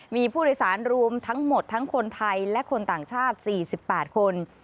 มีผู้โดยสารรวมทั้งหมดทั้งคนไทยและคนต่างชาติ๔๘คน